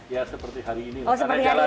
ya seperti hari ini